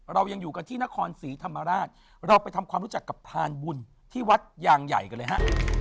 เรายังอยู่กันที่นครศรีธรรมราชเราไปทำความรู้จักกับพรานบุญที่วัดยางใหญ่กันเลยฮะ